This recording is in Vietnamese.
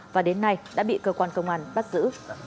và đến nay đã bị cơ quan công an bắt giữ